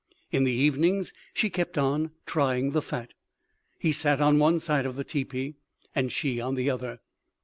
In the evenings she kept on trying the fat. He sat on one side of the teepee and she on the other.